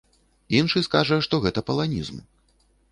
Іншы скажа, што гэта паланізм.